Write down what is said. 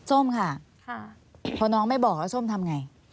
โซ่มค่ะเพราะน้องไม่บอกว่าโซ่มทำอย่างไร